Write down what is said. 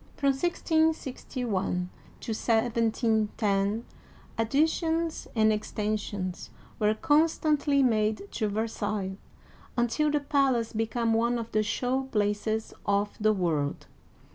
From 1 66 1 to 17 10 additions and extensions were con stantly made to Versailles, until the palace became one of the show places of the world.